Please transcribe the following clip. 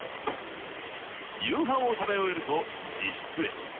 夕飯を食べ終えると自室へ。